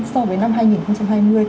so với năm hai nghìn hai mươi